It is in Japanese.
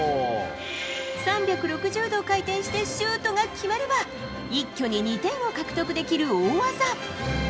３６０度回転してシュートが決まれば一挙に２点を獲得できる大技。